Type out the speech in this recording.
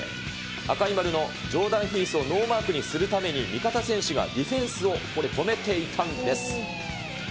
赤い丸のジョーダン・ヒースをノーマークにするために、味方選手がディフェンスをこれ、止めていたんです。